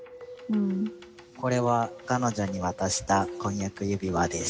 これは彼女に渡した婚約指輪です。